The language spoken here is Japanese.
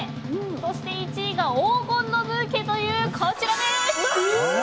そして１位が黄金のブーケというこちら。